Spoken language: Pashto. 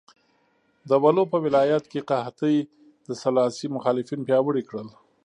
د ولو په ولایت کې قحطۍ د سلاسي مخالفین پیاوړي کړل.